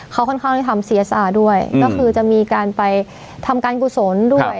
เขาค่อนข้างที่ทำศียศาด้วยก็คือจะมีการไปทำการกุศลด้วย